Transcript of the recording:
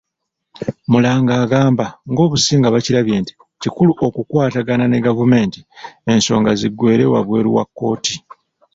Muranga agamba ng'Obusinga bakirabye nti kikulu okukwatagana ne gavumenti ensonga ziggweere wabweru wa kkooti.